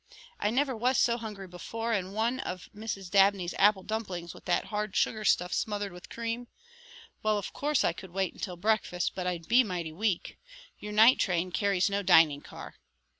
I never was so hungry before and one of Mrs. Dabney's apple dumplings with that hard sugar stuff smothered with cream well, of course I could wait until breakfast, but I'd be mighty weak. Your night train carries no dining car."